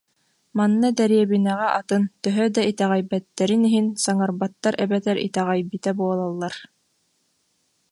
Манна дэриэбинэҕэ атын, төһө да итэҕэйбэттэрин иһин, саҥарбаттар эбэтэр итэҕэйбитэ буолаллар